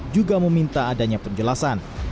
juga meminta adanya penjelasan